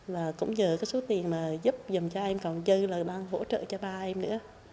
và cũng nhờ cái số tiền mà giúp dành cho em còn dư là bang hỗ trợ cho ba em nữa